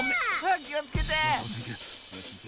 きをつけて！